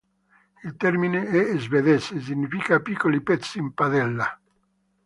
Il termine è svedese e significa "piccoli pezzi in padella".